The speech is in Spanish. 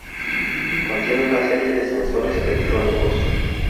Contiene una serie de sensores electrónicos.